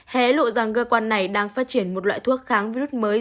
hé lộ rằng cơ quan này đang phát triển một loại thuốc kháng virus mới